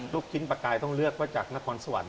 ลูกชิ้นปลากายต้องเลือกว่าจากนครสวรรค